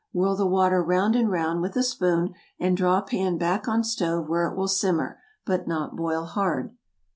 Whirl the water 'round and 'round with a spoon, and draw pan back on stove where it will simmer, but not boil hard.